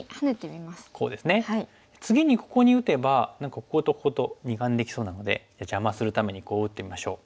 次にここに打てば何かこことここと二眼できそうなので邪魔するためにこう打ってみましょう。